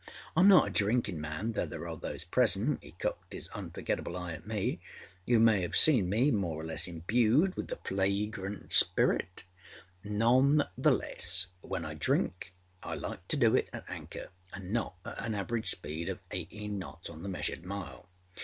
Iâm not a drinkinâ man, though there are those presentââhe cocked his unforgetable eye at meââwho may have seen me more or less imbued with the fragrant spirit. None the less, when I drink I like to do it at anchor anâ not at an average speed of eighteen knots on the measured mile.